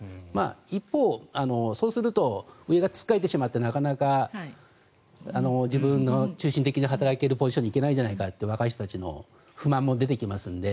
一方、そうすると上がつっかえてしまってなかなか自分が中心的に働けるポジションにいけないじゃないかって若い人たちも不満が出てきますので